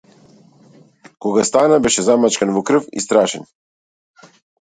Кога стана беше замачкан во крв и страшен.